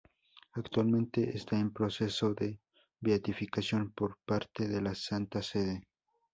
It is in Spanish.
Actualmente está en proceso de beatificación por parte de la Santa Sede.